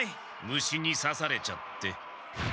虫にさされちゃって。